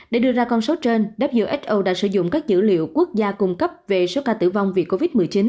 để đưa ra con số trên who đã sử dụng các dữ liệu quốc gia cung cấp về số ca tử vong vì covid một mươi chín